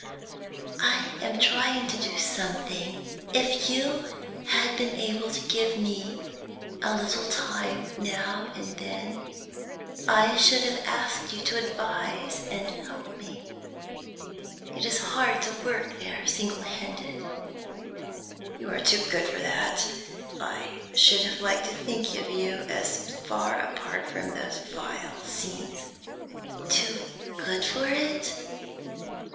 "I am trying to do something. If you had been able to give me a little time now and then, I should have asked you to advise and help me. It is hard to work there single handed." "You are too good for that; I should have liked to think of you as far apart from those vile scenes." "Too good for it?"